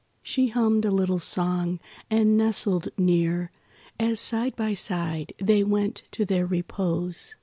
She hummed a little song and nestled near, As side by side they went to their repose.